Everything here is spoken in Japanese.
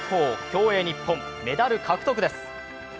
競泳日本、メダル獲得です。